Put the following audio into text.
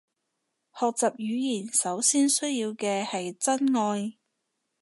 學習語言首先需要嘅係真愛